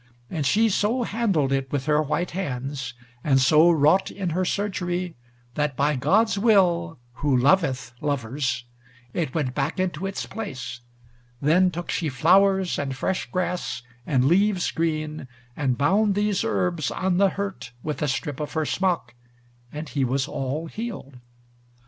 And she so handled it with her white hands, and so wrought in her surgery, that by God's will who loveth lovers, it went back into its place. Then took she flowers, and fresh grass, and leaves green, and bound these herbs on the hurt with a strip of her smock, and he was all healed.